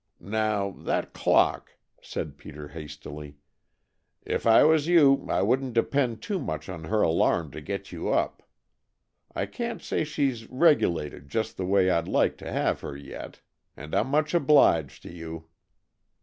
"Now, that clock," said Peter hastily, "if I was you I wouldn't depend too much on her alarm to get you up. I can't say she's regulated just the way I'd like to have her yet. And I'm much obliged to you."